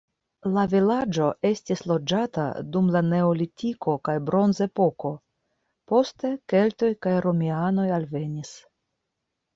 La vilaĝo estis loĝata dum la neolitiko kaj bronzepoko, poste keltoj kaj romianoj alvenis.